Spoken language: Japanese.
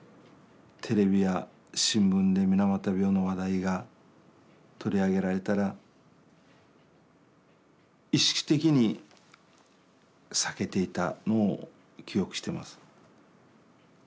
テレビや新聞で水俣病の話題が取り上げられたら意識的に避けていたのを記憶してます。